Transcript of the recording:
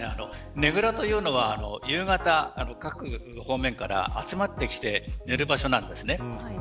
ねぐらというのは、夕方各方面から集まってきて寝る場所なんですね。